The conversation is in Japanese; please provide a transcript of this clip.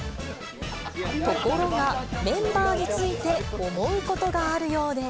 ところが、メンバーについて思うことがあるようで。